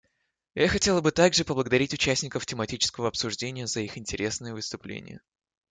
Я хотела бы также поблагодарить участников тематического обсуждения за их интересные выступления.